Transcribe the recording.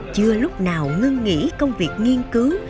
chưa lúc nào ngưng nghĩ công việc nghiên cứu